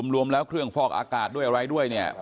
รวมแล้วเครื่องฟอกอากาศด้วยอะไรด้วยเนี่ย